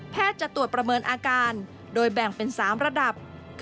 จะตรวจประเมินอาการโดยแบ่งเป็น๓ระดับ